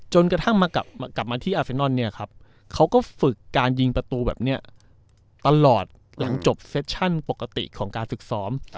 จนกระทั่งมากลับมาที่อาเซนอนเนี่ยครับเขาก็ฝึกการยิงประตูแบบนี้ตลอดหลังจบเซชั่นปกติของการฝึกซ้อม